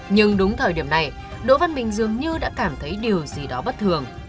nhưng đúng thời điểm này đỗ văn bình dường như đã cảm thấy điều gì đó bất thường